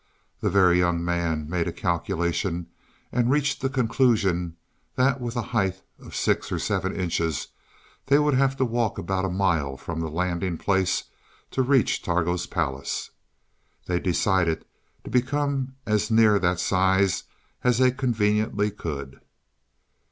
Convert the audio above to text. The Very Young Man made a calculation and reached the conclusion that with a height of six or seven inches they would have to walk about a mile from the landing place to reach Targo's palace. They decided to become as near that size as they conveniently could.